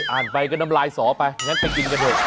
ไปก็น้ำลายสอไปงั้นไปกินกันเถอะ